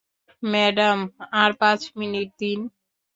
Madam, আর পাঁচ minute দিন।